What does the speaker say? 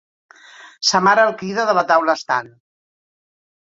Sa mare el crida, de la taula estant.